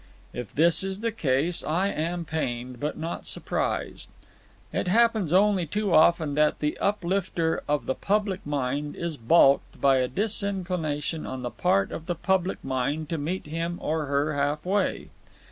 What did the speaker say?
If this is the case, I am pained, but not surprised. It happens only too often that the uplifter of the public mind is baulked by a disinclination on the part of the public mind to meet him or her half way.